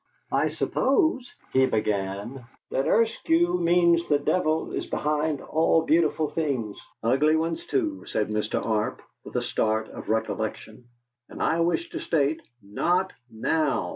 "I suppose," he began, "that Eskew means the devil is behind all beautiful things." "Ugly ones, too," said Mr. Arp, with a start of recollection. "And I wish to state " "Not now!"